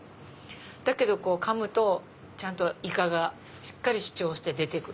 だけどかむとちゃんとイカがしっかり主張して出て来る。